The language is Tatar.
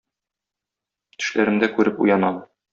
Төшләремдә күреп уянам.